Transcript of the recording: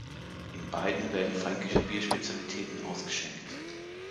In beiden werden fränkische Bierspezialitäten ausgeschenkt.